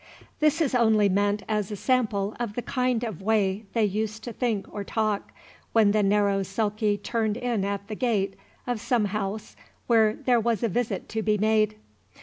This is only meant as a sample of the kind of way they used to think or talk, when the narrow sulky turned in at the gate of some house where there was a visit to be made.